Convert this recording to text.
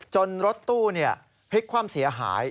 รถตู้พลิกความเสียหาย